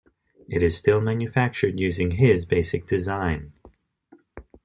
It is still manufactured using his basic design.